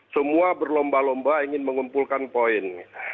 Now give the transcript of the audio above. semua berlomba lomba ingin mengumpulkan poin